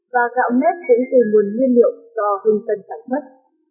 và gạo nếp cũng từ nguồn nguyên liệu do hưng tân sản xuất